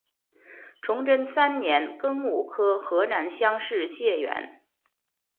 崇祯三年庚午科河南乡试解元。